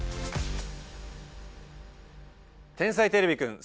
「天才てれびくん」